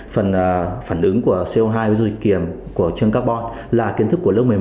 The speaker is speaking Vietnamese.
phần phản ứng của co hai ví dụ dịch kiểm của chương carbon là kiến thức của lớp một mươi một